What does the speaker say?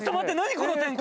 この展開